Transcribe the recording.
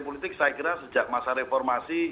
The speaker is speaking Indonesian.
politik saya kira sejak masa reformasi